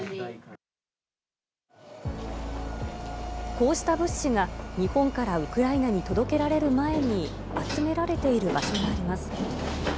こうした物資が、日本からウクライナに届けられる前に集められている場所があります。